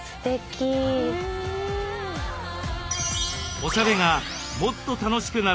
おしゃれがもっと楽しくなるかも！